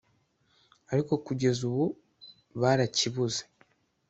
ariko kugeza ubu barakibuze